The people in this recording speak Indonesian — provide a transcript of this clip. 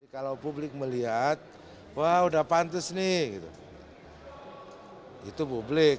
kalau publik melihat wah udah pantes nih itu publik